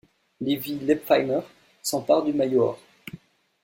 Levi Leipheimer s'empare du maillot or.